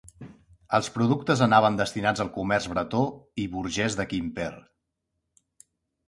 Els productes anaven destinats al comerç bretó i burgés de Quimper.